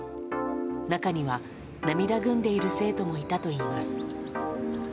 中には涙ぐんでいる生徒もいたといいます。